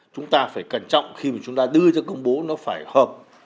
chúng ta phải cẩn trọng khi mà chúng ta đưa ra công bố nó phải hợp